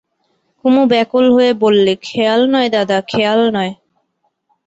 কুমু ব্যাকুল হয়ে বললে, খেয়াল নয় দাদা, খেয়াল নয়।